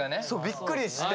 びっくりして。